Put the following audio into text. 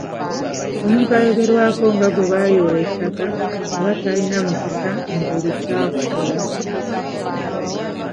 Omuntu ayogerwako nga gwe baayoola ettaka aba talina mukisa mu buli ky’akola.